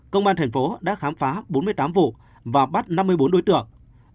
công an tp hcm đã khám phá bốn mươi tám vụ và bắt năm mươi bốn đối tượng